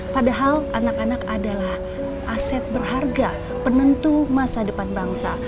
padahal anak anak adalah aset berharga penentu masa depan bangsa